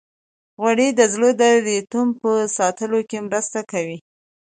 غوړې د زړه د ریتم په ساتلو کې مرسته کوي.